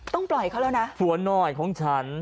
ต้องปล่อยเขาแล้วนะหัวน้อยของฉัน